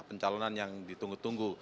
pencalonan yang ditunggu tunggu